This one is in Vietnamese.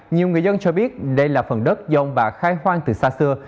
nhiều người dân cho biết đây là phần đất dông và khai hoang từ xa xưa